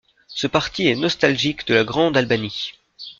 Ce parti est nostalgique de la Grande Albanie.